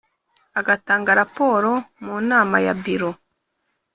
agatanga raporo mu nama ya biro